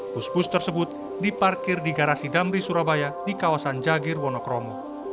bus bus tersebut diparkir di garasi damri surabaya di kawasan jagir wonokromo